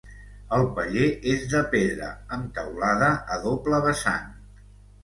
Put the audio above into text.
El paller és de pedra amb teulada a doble vessant.